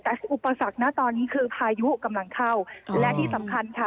แต่อุปสรรคนะตอนนี้คือพายุกำลังเข้าและที่สำคัญค่ะ